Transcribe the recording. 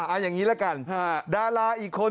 เอาอย่างนี้ละกันดาราอีกคน